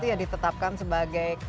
semarang ditetapkan sebagai